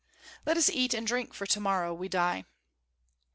Let us eat and drink, for to morrow we die."